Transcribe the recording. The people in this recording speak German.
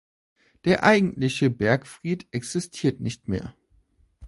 Der eigentliche Bergfried existiert nicht mehr.